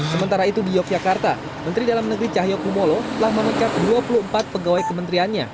sementara itu di yogyakarta menteri dalam negeri cahyokumolo telah memecat dua puluh empat pegawai kementeriannya